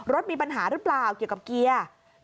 รถมีปัญหาหรือเปล่าเกี่ยวกับเกียร์